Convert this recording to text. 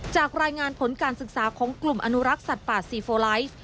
จากรายงานผลการศึกษาของกลุ่มอนุรักษ์สัตว์ป่าซีโฟไลท์